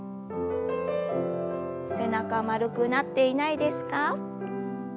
背中丸くなっていないですか？